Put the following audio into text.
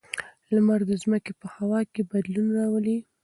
لمر د ځمکې په هوا کې بدلون راولي.